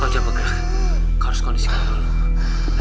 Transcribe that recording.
kau harus kondisikan dulu